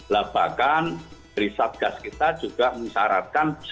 lebakan riset gas kita juga mengesaratkan